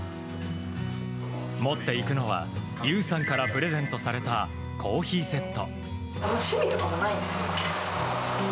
持っていくのは、優さんからプレゼントされたコーヒーセット。